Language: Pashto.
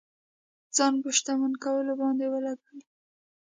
ځان په شتمن کولو باندې ولګولې.